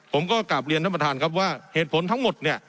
ผมก็กลับเรียนท่านประธานครับว่าเหตุผลทั้งหมดเนี่ย